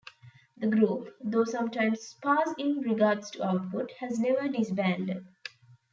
The group, though sometimes sparse in regards to output, has never disbanded.